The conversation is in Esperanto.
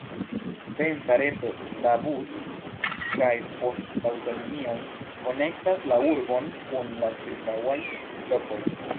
Densa reto da bus- kaj poŝtaŭtolinioj konektas la urbon kun la ĉirkaŭaj lokoj.